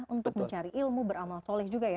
untuk mencari ilmu beramal soleh juga ya